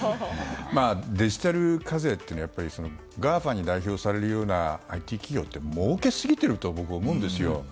デジタル課税っていうのはＧＡＦＡに代表されるようなＩＴ企業ってもうけすぎてると僕、思うんですよ。